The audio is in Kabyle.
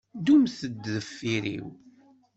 Ddumt-d deffir-iw.